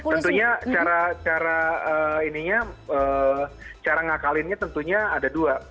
tentunya cara ngakalinnya tentunya ada dua